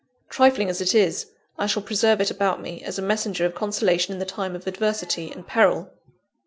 Trifling as it is, I shall preserve it about me, as a messenger of consolation in the time of adversity and peril.